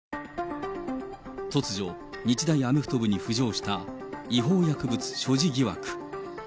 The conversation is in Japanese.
突如、日大アメフト部に浮上した違法薬物所持疑惑。